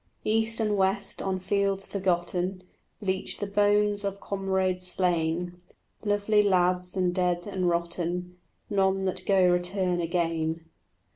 East and west on fields forgotten Bleach the bones of comrades slain, Lovely lads and dead and rotten; None that go return again.